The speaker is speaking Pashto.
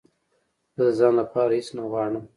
زه د ځان لپاره هېڅ نه غواړم